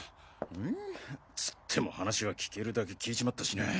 ん？つっても話は聞けるだけ聞いちまったしな。